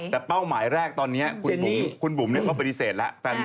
แต่เป้าหมายแรกตอนนี้คุณบุ๋มเขาปฏิเสธแล้ว